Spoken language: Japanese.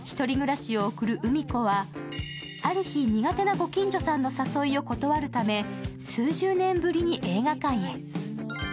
一人暮らしを送るうみ子はある日、苦手なご近所さんの誘いを断るため、数十年ぶりに映画館へ。